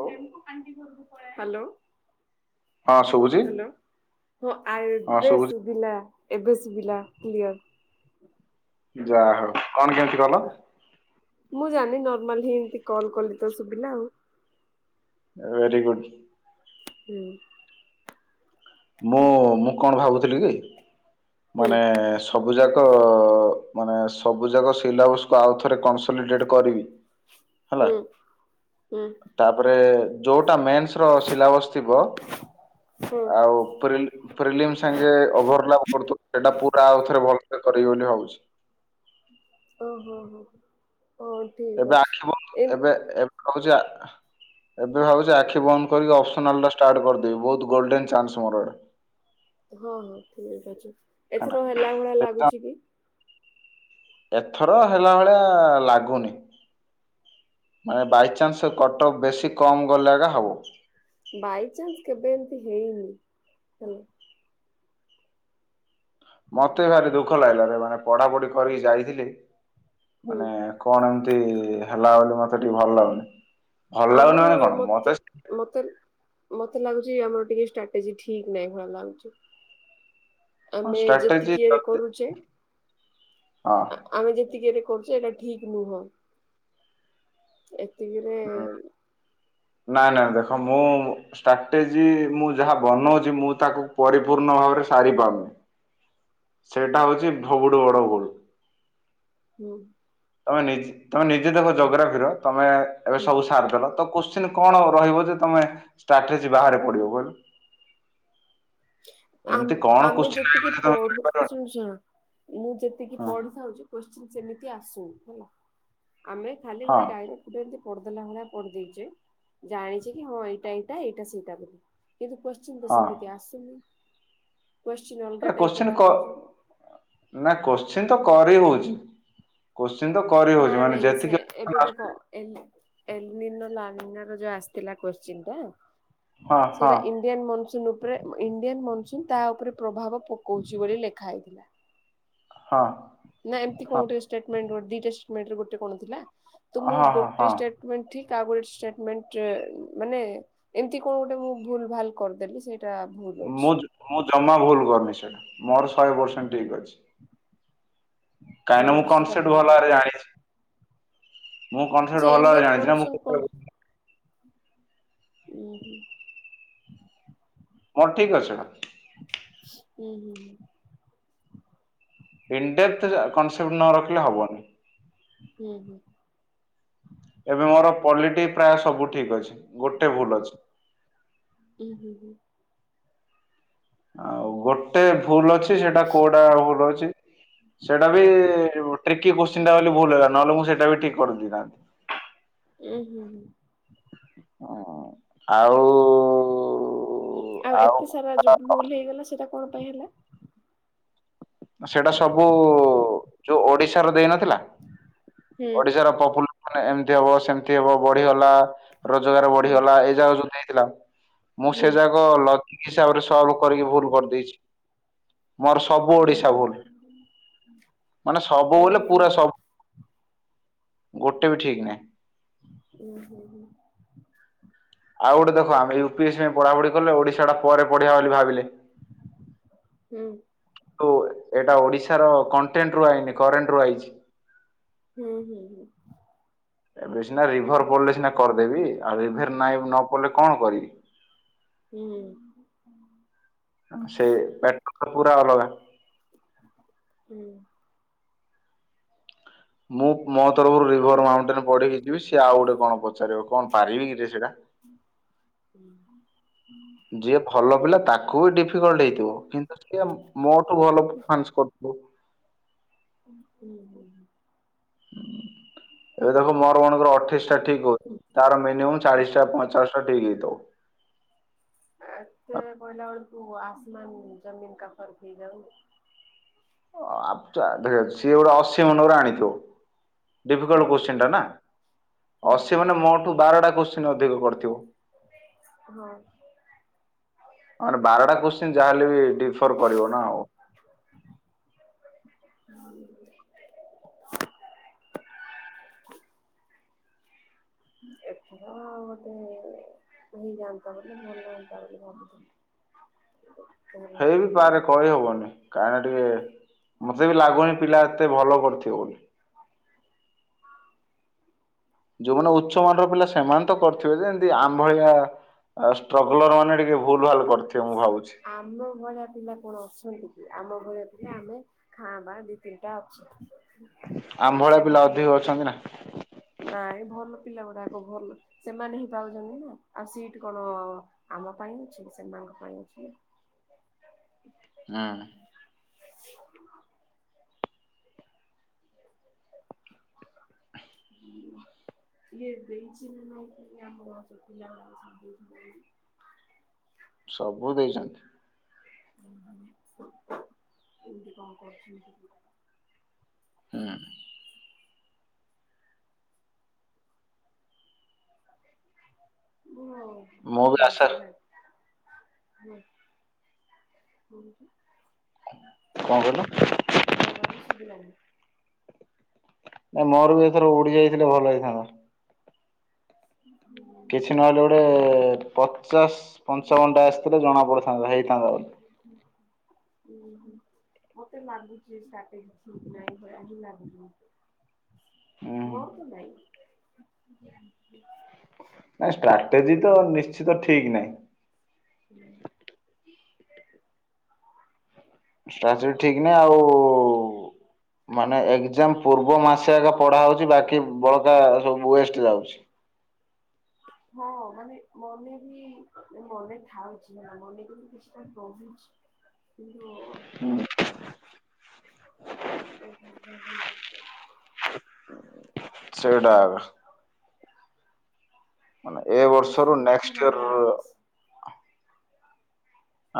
ହଉ। ହାଲୋ ହଁ ଶୁଭୁଛି [unintelligible] ହଁ ଶୁଭୁଛି [inaudible] ଏବେ ଶୁଭିଲା କ୍ଲିୟର। ଯାହା ହଉ କଣ କେମିତି କଲ। ମୁଁ ଜାଣିନି ନର୍ମାଲ ହିଁ ଏମତି କଲ୍ କଲି ତ ଶୁଭିଲା ଆଉ। ଭେରିଗୁଡ୍‌ ହୁଁ [unintelligible] ମୁଁ ମୁଁ କଣ ଭାବୁଥିଲି କି? ହୁଁ ମାନେ ସ। ସବୁ ଯାକ ମାନେ ସବୁ ଯାକ ସିଲାବସକୁୁ ଆଉ ଥରେ କ କମ୍ପ୍ଲିଟେଡ କରିବି ହେଲା ହୁଁ। ହୁଁ ତାପରେ ଯୋଉ [unintelligible] ଟା ମେନ୍ସ ର ସିଲାବସ୍ ଥିବ ହଁ [unintelligible] ଆଉ ପ୍ରିଲି ପ୍ରିଲିମ ସାଙ୍ଗେ ଓଭର ଲାପ୍ କରୁଥିବା ସେଇଟା ପୁରା ଆଉ ଥରେ ଭଲରେ କରିବି ବୋଲି ଭାବୁଛି। ଓ ହୋ ହୋ। [unintelligible] ଠିକ ଏବେ ଅଛି। ଆଖି ଏ ବନ୍ଦ ଏବେ ଏବେ ହଉଛି ଏବେ ଭାବୁଛି ଆଖି [unintelligible] ବନ୍ଦ କରିକି ଅପ୍ସନାଲ ଡଷ୍ଟ ଷ୍ଟାର୍ଟ କରିଦେବି ବହୁତ ଗୋଲଡେନ ଚାନ୍ସ ମୋର ଏଇଟା। ହଁ ହଁ ଠିକ୍ ଅଛି। [unintelligible] ଏଥର ହେଲା ଭଳିଆ ଏଇଟା। ଲାଗୁଛି କି? ଏଥର ହେଲା ଭଳିଆ ଲାଗୁନି ମାନେ ବାଇଚାନ୍ସ କଟକ ବେଶୀ କମ ଗଲେ ଆଗା ହବ। ବାଇଚାନ୍ସ କେବେ ଏମିତି ହେଇନି ହେଲା ମତେ ଭାରି ଦୁଃଖ ଲାଗିଲା ରେ ମାନେ ପଢାପଢି କରିକି ଯାଇଥିଲି ହୁଁ ମାନେ କଣ [unintelligible] ଏମିତି ହେଲା ବୋଲି ମତେ ଟିକେ ଭଲ ଲାଗୁନି। ଭଲ ଲାଗୁନି ଆମର ମାନେ କଣ ମତେ ମତେ ମତେ ଲାଗୁଚି ଆମର ଟିକେ ଷ୍ଟ୍ରାଟେଜି ଠିକ ନାଇଁ ଭଳିଆ ଲାଗୁଛି। ଆମେ ଷ୍ଟ୍ରାଟେଜି ଯେତିକିରେ ବି ଯଦି କରୁଛେ ହଁ ଆମେ ଯେତିକିରେ କରୁଛେ ଏଇଟା ଠିକ ନୁହଁ। ଏତିକିରେ ହଁ [unintelligible] ନାଇଁ ନାଇଁ ଦେଖ ମୁଁ ଷ୍ଟ୍ରାଟେଜି ମୁଁ ଯାହା ବନଉଛି ମୁଁ ତାକୁ ପରିପୂର୍ଣ୍ଣ ଭାବରେ ସାରିପାରୁନି ସେଇଟା ହଉଛି ବହୁଟୁ ବଡ ଭୂଲ୍। ହୁଁ [unintelligible] ତମେ ନିଜେ ତମେ ନିଜେ ଦେଖ ଜୋଗ୍ରାଫିର ତମେ ଏବେ ହୁଁ ସବୁ ସାରିଦେଲ ତ କୋଶ୍ଚିିନ କଣ ରହିବ ଯେ ତମେ ଷ୍ଟ୍ରାଟେଜି ବାହାରେ ପଡିବ କହିଲ। ଆମେ ଏମିତି କଣ ଆମେ କୋଶ୍ଚିନ୍ ଆଇବ ଯେତିକି ଯେ ତମେ ପଢ଼ୁଛୁ କରିପାରିବନି ଶୁଣ ଶୁଣ ମୁଁ ଯେତିକି ହଁ ପଢି ଥାଉଛି ସେମିତି ଆସୁନି ହେଲା। ଆମେ ଖାଲି ହଁ ଗୋଟେ ଡାଇ ପଡିଦେଲା ଭଳିଆ ପଡି ଦେଇଚେ ଜାଣିଚେ କି ହଁ ଏଇଟା ଏଇଟା ଏଇଟା ସେଇଟା ବୋଲି। କିନ୍ତୁ କୋଶ୍ଚିନ୍ ତ ହଁ ସେମିତିଆ ଆସୁନି। କୋଶ୍ଚିନ୍ ଅଲଗା ଟାଇପ ର କୋଶ୍ଚିନ୍ କ ଆସୁଛି। ନା କୋଶ୍ଚିନ୍ ସେ ତ କରିହଉଛି ନାଇଁ ନାଇଁ ସେ ଏବେ ହଁ ଦେଖ ଏଲ ନିନୋ ଲା ନିନୋ ର ଯୋଉ ଆସିଥିଲା କଶ୍ଚିନ୍ ଟା ହଁ ହଁ ସେଇଟା ଇଣ୍ଡିଆନ ମନସୁନ୍ ଉପ ଇଣ୍ଡିଆନ ମନସୁନ୍ ତା ଉପରେ ପ୍ରଭାବ ପକଉଛି ବୋଲି ଲେଖା ହେଇଥିଲା ହଁ [unintelligible] ନା ଏମତି କଉଟା ଷ୍ଟେଟମେଣ୍ଟ [unintelligible] ଦୁଟା ଷ୍ଟଟମେଣ୍ଟରେ ଗୋଟ କଣ ଥିଲା ତୁ ମୋ ହଁ ହଁ ଗୋଟେ ହଁ ଷ୍ଟେଟମେଣ୍ଟ ଠିକ ତା ଗୋଟେ ଷ୍ଟଟମେଣ୍ଟ ମାନେ ଏମିତି କଣ ଗୋଟେ ମୁଁ ଭୁଲ ଭାଲ କରିଦେଲି ସେ ମୁଁ ମୁଁ ଜମା ଭୁଲ କରନି ମୋର ଶହେ ପର୍ସେଣ୍ଟ ଠିକ ଅଛି [unintelligible] କାହିଁକି ନା ମୋର ମୁଁ ସେଟା କନସେପଟ ଭୁଲ ଭଲ ଭାବରେ ହେଇଯାଇଛି ଜାଣିଛି ମୁଁ ଯେ କନସେପଟ ଭଲ ଭାବରେ ଇଣ୍ଡିଆନ ଜାଣିଛି ନା ମନସୁନ ମୁଁ ହୁଁ ହୁଁ [unintelligible] ହଁ ଠିକ୍ ଅଛି ମାମ୍ [unintelligible] ହୁଁ ହୁଁ ହ [unintelligible] ଇନଡେପ୍ଥ ଯା କନସେପ୍ଟ ନ ରଖିଲେ ହବନି ହୁଁ ହୁଁ [unintelligible] ଏବେ ମୋର ପଲିଟି ପ୍ରାୟ ସବୁ ଠିକ ଅଛି ଗୋଟେ ଭୁଲ ଅଛି ଉମ୍ଁ ହୁଁ ହୁଁ [unintelligible] ଆଉ ଗୋଟେ ଭୁଲ ଅଛି [unintelligible] ସେଟା କୋଉଟା ଭୁଲ ଅଛି ସେଟା ବି ଟିକେ ଟ୍ରିକୀ କୋଶ୍ଚିନ ଟା ବୋଲି ଭୁଲ ହେଲା ନହେଲେ ମୁଁ ସେଟା ବି ଠିକ୍ କରି ଦେଇଥାନ୍ତି ଉୁଁ ହୁଁ ହୁଁ [unintelligible] ହଁ ଆଉ [unintelligible] ଆଉ ଏତେ ସାରା ଯୋଉ ଭୁଲ ହେଇଗଲା ସେଇଟା କଣ ପାଇଁ ହେଲା [unintelligible] ସେଇଟା ସବୁ ଯୋଉ ଓଡିଶାର ଦେଇନ ନଥିଲା ହୁଁ ଓଡିଶାର ପପୁଲ ମାନେ ଏମିତି ହବ ସେମିତି ହବ ବଢିଗଲା ରୋଜଗାର ହୁଁ ବଢିଗଲା ଏଇ ଯାାଉ ଛନ୍ତିି [unintelligible] ମୁଁ ସେ ହୁଁ ଯାକ ଲଜିକ ହିସାବରେ ସଲ୍ଭ କରିକି ଭୁଲ କରିଦେଇଛି ମୋର ସବୁ ଉଁ ଓଡିଶା ସବୁ ହୁଁ ଭୁଲ ମାନେ ସବୁ ଉଁ ବଇଲେ ହୁଁ ପୁରା ସବୁ ଗୋଟେ ବି ଠିକ୍ ନାହିଁ ଓ ହୋ ହୋ ଆଉ ଗୋଟେ ଦେଖ ଆମେ ୟୁପିଏସ୍ ପାଇଁ ପଢାପଢି କଲେ ଓଡିଶା ଟା ପରେ ପଢିବା ବୋଲି ଭାବିଲେ ହୁଁ ଏଟା ଓଡିଶାର କଣ୍ଟେଣ୍ଟ ରୁ ଆଇନି କରେଣ୍ଟ ରୁ ଆଇଛି ହୁଁ ହୁଁ ହଁ ଏବେ ସିନା ରିଭର ପଡିଲେ ସିନା କରିଦେବି ଆଉ ରିଭର ନାଇଁ ନ ପଡିଲେ କଣ କରିବି ହୁଁ ସେ ପାର୍ଟନ ଟା ପୁରା ଅଲଗା [unintelligible] ହୁଁ [unintelligible] ମୁଁ ମୋ ତରଫରୁ ରିଭର ମାଉଣ୍ଟେନ ପଢିକି ଯିବି ସିଏ ଆଉ ଗୋଟେ କଣ ପଚାରିବ କଣ ପାରିବି କିରେ ସେଇଟା ହୁଁ ହୁଁ [unintelligible] ପଡିଲା ତାକୁବି ଡିଫି ଡିଫିକଲ୍ଟ ହେଇଥିବ କିନ୍ତୁ ଟିକେ ମୋଠୁ ଭଲ ମ୍ୟାନେଜ କରୁଥିବ ହୁଁ ହୁ [unintelligible] ଏବେ ଦେଖ ମ ଆମ ମାନଙ୍କର ଅଠେଇଶ ଟା ଠିକ୍ ହଉଛି ତାର ମିନିମମ୍ ଚାଳିଶଟା ପଇଁଚାଳିଶ ଠିକ ହୋଇଥାଉ। ଏତେ କହିଲା ବେଳକୁ ତୁ ଆସ ଆସମାନ ଜମିନ କା ଫର୍କ ହେଇ ଯାଉ। ଦେଖ ସିଏ ଗୋଟେ ଅଶୀ ମନେକର ଆଣିଥିବ ଡିଫିକଲଟ ହଁ। କୋଶ୍ଚିନ ଟା ନା ଅସ ମାନେ ମୋଠୁ ବାରଟା କୋଶ୍ଚିନ ଅଛି ଅଧିକ କରିଥିବ। ହଁ। ମେ ବାରଟା କୋଶ୍ଚିନ୍ ଯାହାହେଲେ ବି ିଫର କରିବ ନା ଆଉ। ହ [inaudible] ଏ ଗୋଟେ ହେଇଯାଆନ୍ତା ବୋଲି ଭଲ ଜାନ୍ତା ବୋଲି ଭଲ ହେଇ ବି ପାରେ ଲାଗୁନି। କହି ହବନି କାହିଁକିନା ଟିକେ ମତେ ବି ଲାଗୁନି ପିଲା ଏତେ ଭଲ କରିଥିବ ବୋଲି। ଯୋଉମାନେ ଉଚ୍ଚ ମର ପିଲା ସେମାନେ ତ କରିଥିବେ ଯେମତି ଆମ୍ଭଳିଆ ଷ୍ଟ୍ରଗଲର ମାନେ ଟିକେ ଭୁଲ ଭାଲ କରିଥିବେ। ମୁଁ ଭାବୁଛି। ଆମ ଭଳିଆ ପିଲା କଣ ଅଛନ୍ତି କି ଆମ ଘଳିଆ ଆମେ ଖାଆବା ଦି ତିନିଟା ଅଛୁ ଆମ୍ଭଳିଆ ପିଲା ଅଧିକ ଅଛନ୍ତି ନା ଭଲପିଲା ଗୁଡାକ ଭଲ ସେମାନେ ହିଁ ପଳୁଛନ୍ତି ନା ଆସି ହେଟି କଣ ଆମ ପାଇଁ [unintelligible] ଆଜି। ହଁ [inaudible] ଏ ଦେଇଚି କି ସବୁ ଦେଇଛନ୍ତି ତି କଣ [unintelligible] ହଁ ହ ମୁଁ ବି ଠିକ ଆଶା ଅଛି [inaudible] କଣ କଣ କହିଲୁ କହିଲ ଶୁଭିଲାନି ନାଇଁ ମୋର ବି ଏଥର ଓଡି ଯାଇଥିଲେ ଭଲ ହେଇଥାନ୍ତା। କିଛି ନହେଲେ ଗୋଟେ ପଚାଶ ପଞ୍ଚ ଘଣ୍ଟା ଆସିଥିଲେ ଜଣା ପଡିଥାନ୍ତା ଭା ଉୁଁ ହୁଁ ମତେ ଲାଗୁଛି୍ରାଟେ ନାାଇଁଁ ଲାଗୁଛି [unintelligible] ହୁଁ ମୋର ତ ନାଇଁ। [inaudible] ନାଇଁ ଷ୍ଟ୍ରାଟେଜି ତ ନିଶ୍ଚିତ ଠିକ ନାହିଁ [inaudible] ଷ୍ଟ୍ରାଚ ଠିକ ନାହିଁ ଆଉ ମାନେ ଏଜାମ ପୂର୍ବ ମାସ ଆଗ ପଢା ହଉଛି ବାକି ବଳକା ସବୁ ୱେଷ୍ଟ ଯାଉଚି। ହଁ ମାନେ ମନେ ବି ମନେ ଥାଉଛି ନା ମନେ କିନ୍ତୁ କିଛିଟା ରହୁଚି [unintelligible] [unintelligible] [unintelligible] ସେଇଟାକ [unintelligible] ମାନେ ଏ ବର୍ଷର ନେକ୍ସଟ ଇୟର ରହିବ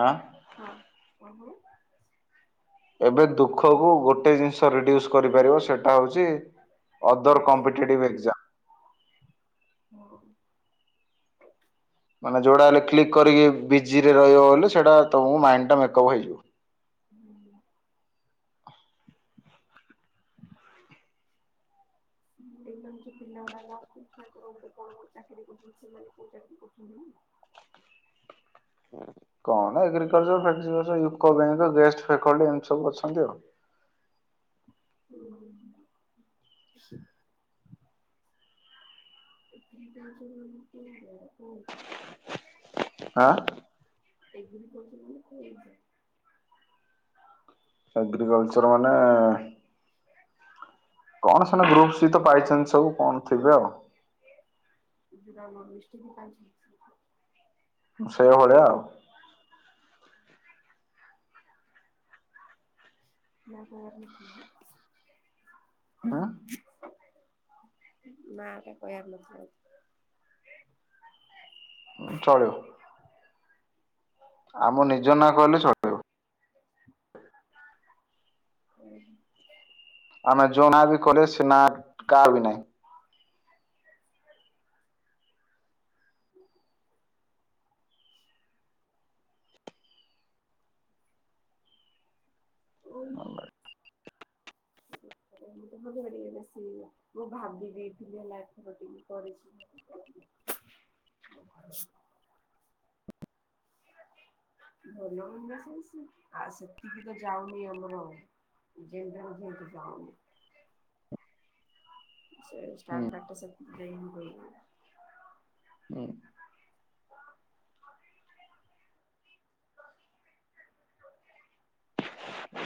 ଆଁ [unintelligible] [unintelligible] [unintelligible] ଏବେ ଦୁଃଖକୁୁ ଗୋଟେ ଜିନିଷ ରେଡୁସ୍ କରିପାରିବ ସେଟା ହଉଚି ଅଦର କମ୍ପିଟେଟିଭ ଏକଯାମ ହ [unintelligible] ମାନେ ଯେଉଁଟା ହେଲେ କ୍ଲିକ୍ କରିକି ବିଜି ରେ ରହିବ ବୋଲିଲେ ସେଇଟା ତମ ମାଇଣ୍ଡଟା ମେକପ୍ ହେଇଯିବ। ହୁଁ [unintelligible] ଏମାନେ ଯୋ ପିଲା ଗୁଡାକ ଅଛନ୍ତି ତାଙ୍କର ଗୋଟେ କଣ ଚାକିରୀ କରୁଛନ୍ତି ସେମାନେ କୋଉ ଚାକିରୀ କରୁଛନ୍ତି [unintelligible] [unintelligible] କଣ ଏଗ୍ରିକଲଚର, ଫେଗ୍ରିକଲଚର, ୟିକୋବ୍ୟାଙ୍କ, ଗେଷ୍ଟଫେକଡି ଏମିତି ସବୁ ଅଛନ୍ତି ଆଉ। [unintelligible] [unintelligible] [unintelligible] [unintelligible] [unintelligible] ଆଁ [unintelligible] ଏଗ୍ରିକଲଚର ମାନେ ଏଗ୍ରିକଲଚର ମାନେ କଣ ସେନା ଗ୍ରୁପ ସହିତ ପାଇଛନ୍ତି ସବୁ କଣ ଥିବେ ଆଉ। [unintelligible] [unintelligible] ସେଇଭଳିଆ ଆଉ। ନା କ [unintelligible] [unintelligible] ନାଁ ଟା କହିଆର ନଥିଲା ହଁ ଚଳିବ ଆମ ନିଜ ନାଁ କହିଲେ ଚଳିବ ହୁଁ ଆମେ ଜଣା ବି କଲେ ସେ ନା କାହାର ବି ନାଇଁ [unintelligible] [unintelligible] ମୁଁ ଭାବିିଦେଇଥିଲି ହେଲା [unintelligible] ଭଲ ବି ସେ ଆଉ ସେତିକି ତ ଯାଉନି ଆମର ଯେମତି ଯେମତି ଯାଉନି ସେ ଷ୍ଟା ହୁଁ [unintelligible] [unintelligible] [unintelligible] ଉଁ [unintelligible]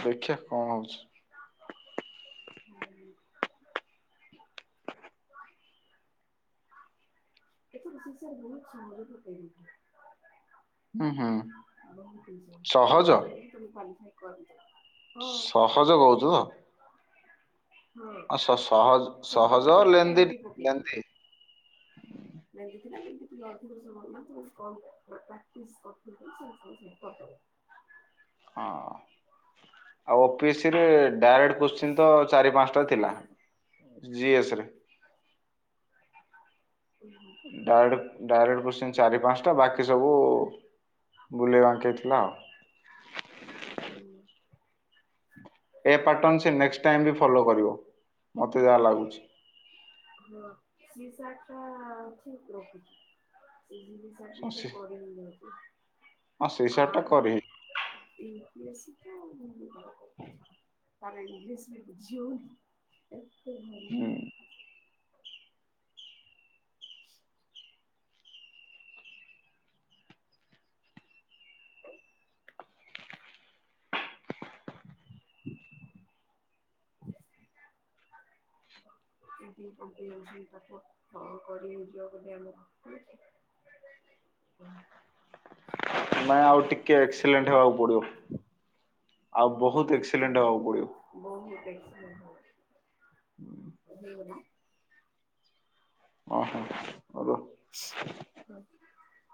ଦେଖିଆ କଣ ହଉଚି [unintelligible] [unintelligible] [unintelligible] ଏ ବହୁ [unintelligible] ବହୁତଣ୍ କଫାଇ ହୁଁ ହୁଁ ସହଜ [unintelligible] କରନ୍ତି। [unintelligible] ସହଜ କହୁଛୁ ତ ସହଜ ସହଜ ଲେନ୍ଦି ଲେନ୍ଦି [inaudible] ହଁ ଆଉ ପିସିରେ ଡାଇରେକ୍ଟ କୋଶ୍ଚିନ୍ ତ ଚାରି ପାଞ୍ଚଟା ଥିଲା। ଜିଏସ୍ ରେ [unintelligible] ଡଡ଼ [unintelligible] ଡାଇରେକ୍ଟ କୋଶ୍ଚିନ୍ ଚାରି ପାଞ୍ଚଟା ବାକି ସବୁ ବୁଲେଇବାଙ୍କେଇଥିଲା ଆଉ। ହୁଁ [unintelligible] ଏ ପାଟର୍ଣ୍ଣ ସିଏ ନେକ୍ସ ଟାଇମ୍ ବି ଫୋଲ କରିବ ମତେ ଯାହା ଲାଗୁଚି। ହଁ ଶିସଟା ଠିକ ରଖିଚି ଶଶୀ [unintelligible] [inaudible] [unintelligible] ହଁ ସେଇସାବ ଟା କରେ। [unintelligible] ବେଶୀ ତ ହଁ ତାରେ ଇଂଲିଶ ବି ବୁଝିହଉନି ହୁ ହୁଁ [unintelligible] [unintelligible] ନାଇଁ ଆଉ ଟିକେ ଏକ୍ସିଲେଣ୍ଟ ହେବାକୁ ପଡିବ ଆଉ ବହୁତ ଏକ୍ସିଲେଣ୍ଟ ହବାକୁ ପଡିବ। ହୁଁ [unintelligible] କରି [unintelligible] ଓ ହୋ [unintelligible] ହଁ [unintelligible]